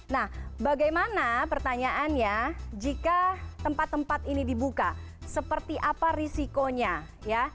nah bagaimana pertanyaannya jika tempat tempat ini dibuka seperti apa risikonya ya